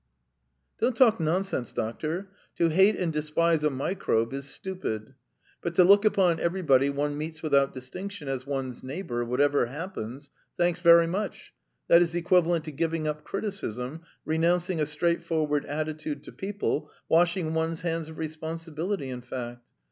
"Don't talk nonsense, doctor. To hate and despise a microbe is stupid, but to look upon everybody one meets without distinction as one's neighbour, whatever happens thanks very much, that is equivalent to giving up criticism, renouncing a straightforward attitude to people, washing one's hands of responsibility, in fact!